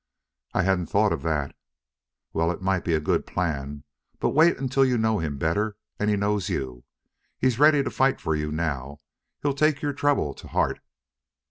"I hadn't thought of that." "Well, it might be a good plan. But wait until you know him better and he knows you. He's ready to fight for you now. He's taken your trouble to heart.